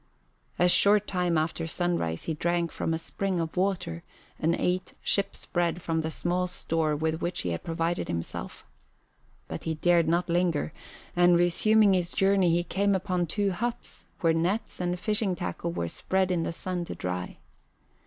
A short time after sunrise he drank from a spring of water and ate ship's bread from the small store with which he had provided himself. But he dared not linger, and resuming his journey he came upon two huts where nets and fishing tackle were spread in the sun to dry.